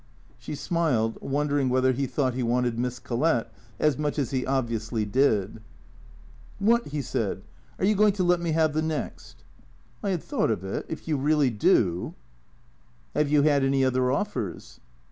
She smiled, wondering whether he thought he wanted Miss Collett as much as he obviously did. " What ?" he said. " Are you going to let me have the next ?"" I had thought of it. If you really do "" Have you had any other offers